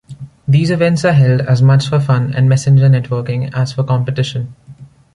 These events are held as much for fun and messenger networking as for competition.